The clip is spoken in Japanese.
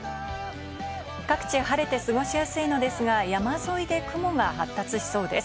各地晴れて過ごしやすいのですが、山沿いで雲が発達しそうです。